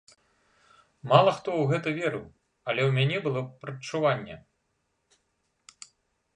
Мала хто ў гэта верыў, але ў мяне было прадчуванне.